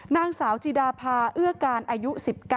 นางสาวจิดาพาเอื้อการอายุ๑๙